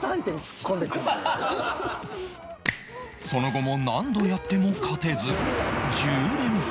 その後も何度やっても勝てず